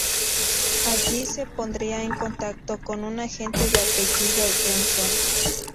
Allí se pondría en contacto con un agente de apellido Johnson.